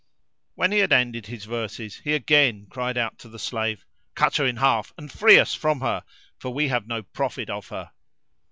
When he had ended his verses he again cried out to the slave, "Cut her in half and free us from her, for we have no profit of her.